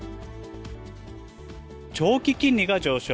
長期金利が上昇。